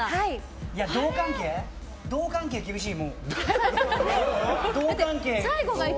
ド関係厳しい。